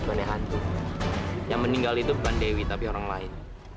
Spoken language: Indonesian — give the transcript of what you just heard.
oleh hati yang meninggal itu bukan dewi tapi orang lain